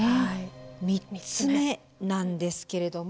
３つ目なんですけれども。